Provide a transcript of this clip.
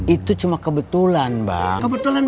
itu cuma kebetulan bang